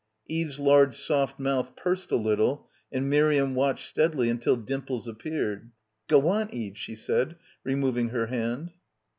... Eve's large soft mouth pursed a little, and — 37 — PILGRIMAGE Miriam watched steadily until dimples appeared. "Go on, Eve," she said, removing her hand.